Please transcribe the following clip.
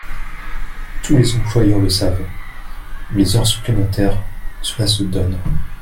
Tous les employeurs le savent, les heures supplémentaires, cela se donne.